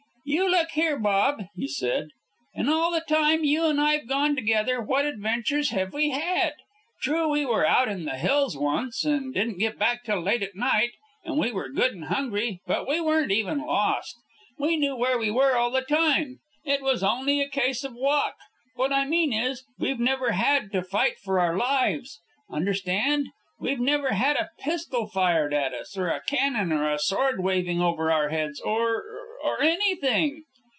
"You look here, Bob," he said. "In all the time you and I've gone together what adventures have we had? True, we were out in the hills once, and didn't get back till late at night, and we were good and hungry, but we weren't even lost. We knew where we were all the time. It was only a case of walk. What I mean is, we've never had to fight for our lives. Understand? We've never had a pistol fired at us, or a cannon, or a sword waving over our heads, or or anything....